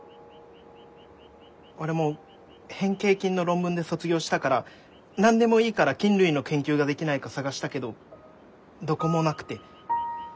俺も変形菌の論文で卒業したから何でもいいから菌類の研究ができないか探したけどどこもなくて。